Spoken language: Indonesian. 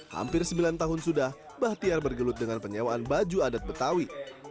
hampir sembilan tahun sudah bahtiar bergelut dengan penyewaan baju adat betawi